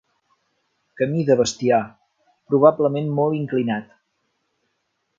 Camí de bestiar, probablement molt inclinat.